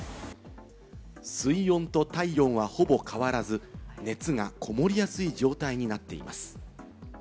水温と体温はほぼ変わらず、熱がこもりやすい状態になっています。